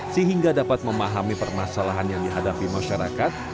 sehingga dapat memahami permasalahan yang dihadapi masyarakat